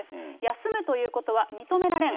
休むということは認められん。